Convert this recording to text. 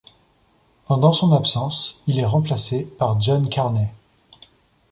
Pendant son absence, il est remplacé par John Carney.